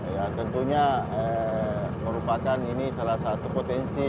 ya tentunya merupakan ini salah satu potensi